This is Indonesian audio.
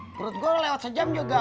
menurut gue lewat sejam juga